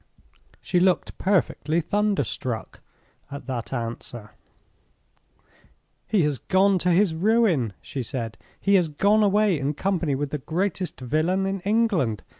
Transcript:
She looked perfectly thunderstruck at that answer. 'He has gone to his ruin!' she said. 'He has gone away in company with the greatest villain in England.